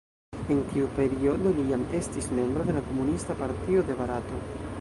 En tiu periodo li jam estis membro de la Komunista Partio de Barato.